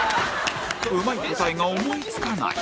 うまい答えが思い付かない